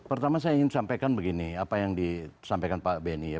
pertama saya ingin sampaikan begini apa yang disampaikan pak beni ya